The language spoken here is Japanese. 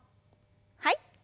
はい。